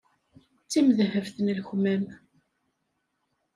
D timdehhebt n lekmam.